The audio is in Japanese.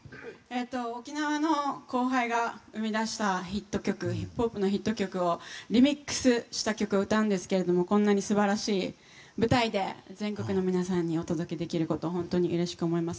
沖縄の後輩が生み出したヒップホップのヒット曲をリミックスした曲を歌いますがこんなに素晴らしい舞台で全国の皆さんにお届けできること本当に、うれしく思います。